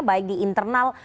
baik di internal